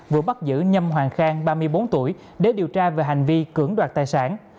vừa bắt giữ nhâm hoàng khang ba mươi bốn tuổi để điều tra về hành vi cưỡng đoạt tài sản